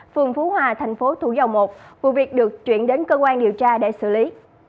phường phú hòa thành phố thủ dầu một vụ việc được chuyển đến cơ quan điều tra để xử lý